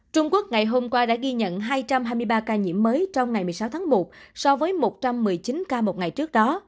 trung quốc ngày hôm qua đã ghi nhận hai trăm hai mươi ba ca nhiễm mới trong ngày một mươi sáu tháng một so với một trăm một mươi chín ca một ngày trước đó